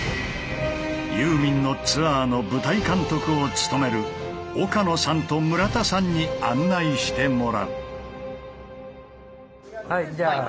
ユーミンのツアーの舞台監督を務める岡野さんと村田さんに案内してもらう。